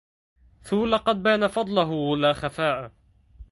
تُ لقد بان فضلُه لا خَفَاءَ